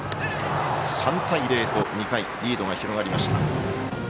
３対０と２回リードが広がりました。